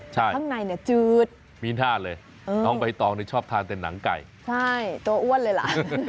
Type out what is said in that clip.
ใช่มีหน้าเลยน้องไปตองชอบทานแต่หนังไก่ใช่ตัวอ้วนเลยล่ะ